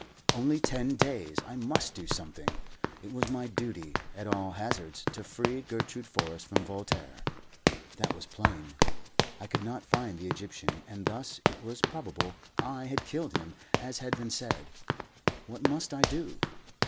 Only ten days! I must do something. It was my duty, at all hazards, to free Gertrude Forrest from Voltaire. That was plain. I could not find the Egyptian, and thus it was probable I had killed him as had been said. What must I do?